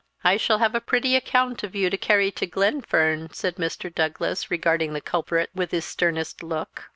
"I shall have a pretty account of you to carry to Glenfern," said Mr. Douglas, regarding the culprit with his sternest look.